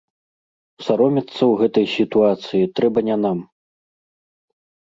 Саромецца ў гэтай сітуацыі трэба не нам.